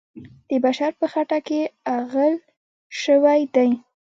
د بشر په خټه کې اغږل سوی دی.